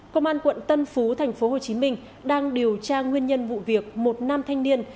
công an quận tân phú thành phố hồ chí minh đang điều tra nguyên nhân vụ việc một nam thanh niên